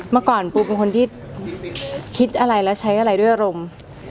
เมื่อก่อนปูเป็นคนที่คิดอะไรและใช้อะไรด้วยอารมณ์